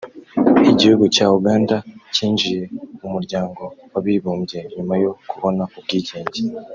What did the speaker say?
Igihugu cya Uganda kinjiye mu muryango w’abibumbye nyuma yo kubona ubwigenge